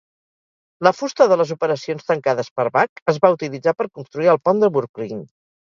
La fusta de les operacions tancades per Buck es va utilitzar per construir el Pont de Brooklyn.